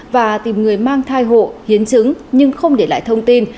và tìm người mang thai hộ hiến chứng nhưng không để lại thông tin